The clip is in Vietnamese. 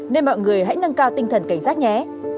nên mọi người hãy nâng cao tinh thần cảnh giác nhé